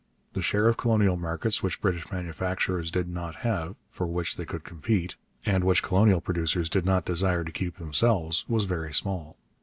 The share of colonial markets which British manufacturers did not have, for which they could compete, and which colonial producers did not desire to keep themselves, was very small.